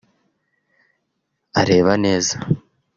areba neza